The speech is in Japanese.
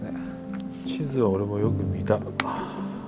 地図は俺もよく見た。